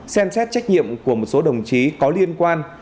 xem xét trách nhiệm của một số đồng chí có liên quan